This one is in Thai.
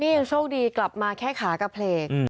นี่ยังโชคดีกลับมาแค่ขากระเพลก